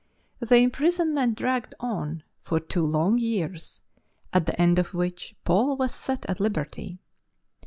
The imprisonment dragged on for two long years, at the end of which Paul was set at liberty.